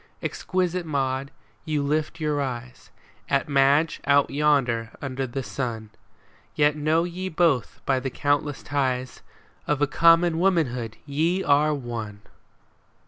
Exquisite Maud, you lift your eyes At Madge out yonder under the sun ; Yet know ye both by the countless ties Of a common womanhood ye are one